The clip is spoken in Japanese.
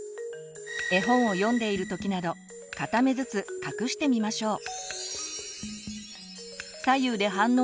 絵本を読んでいる時など片目ずつ隠してみましょう。